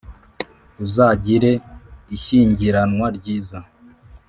uzagire ishyingiranwa ryiza